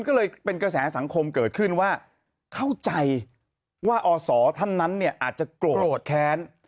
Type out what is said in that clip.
ก็เลยเป็นกระแสสังคมเกิดขึ้นว่าเข้าใจว่าอศท่านนั้นเนี่ยอาจจะโกรธแค้น